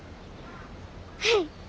はい。